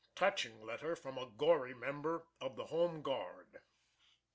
TOUCHING LETTER FROM A GORY MEMBER OF THE HOME GUARD.